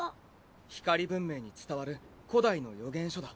光文明に伝わる古代の予言書だ。